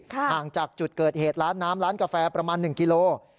ห่างจากจุดเกิดเหตุร้านน้ำร้านกาแฟประมาณ๑กิโล